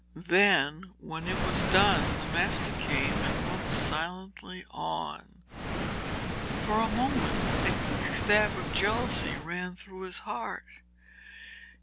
Then, when it was done, the master came and looked silently on. For a moment a quick stab of jealousy ran through his heart.